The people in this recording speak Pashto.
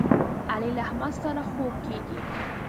علي له احمد سره خوږ کېږي.